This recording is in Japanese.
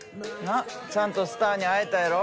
ちゃんとスターに会えたやろ。